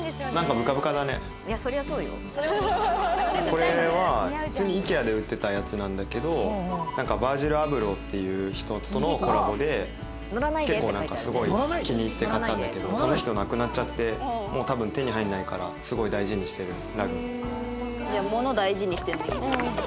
これは普通にＩＫＥＡで売ってたやつなんだけどヴァージル・アブローっていう人とのコラボで結構なんかすごい気に入って買ったんだけどその人亡くなっちゃってもう多分手に入らないからすごい大事にしてるラグ。